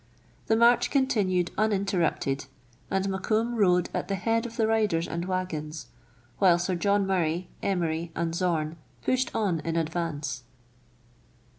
The march continued uninterrupted, and Mokoum rode at the head of the riders and waggons, while Sir John Murray, Emery, and Zorn pushed on in advance.